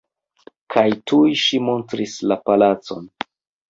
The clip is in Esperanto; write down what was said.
Kaj tuj ŝi montris la palacon.